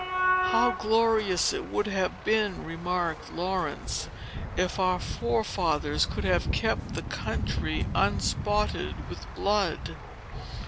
"How glorious it would have been," remarked Laurence, "if our forefathers could have kept the country unspotted with blood."